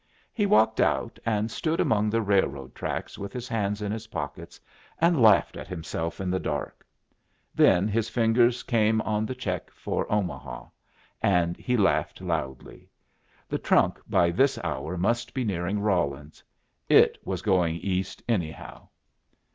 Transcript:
He walked out and stood among the railroad tracks with his hands in his pockets, and laughed at himself in the dark. Then his fingers came on the check for Omaha, and he laughed loudly. The trunk by this hour must be nearing Rawlins; it was going east anyhow.